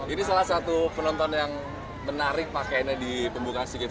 ini salah satu penonton yang menarik pakaiannya di pembukaan sea games